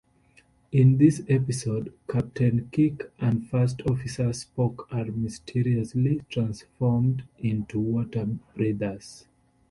In this episode, Captain Kirk and First Officer Spock are mysteriously transformed into water-breathers.